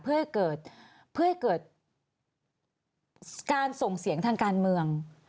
เพื่อให้เกิดการส่งเสียงทางการเมือง